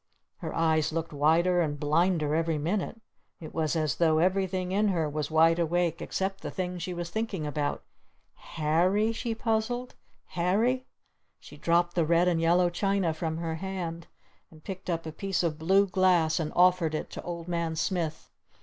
Her eyes looked wider and blinder every minute. It was as though everything in her was wide awake except the thing she was thinking about. "Har ry?" she puzzled. "Harry?" she dropped the red and yellow china from her hand and picked up a piece of blue glass and offered it to Old Man Smith.